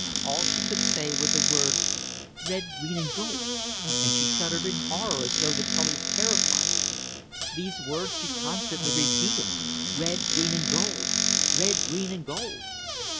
All she could say were the words 'Red, green and gold!' and she shuddered in horror as though the colours terrified her. These words she constantly repeated 'red, green and gold!' 'red, green and gold!'"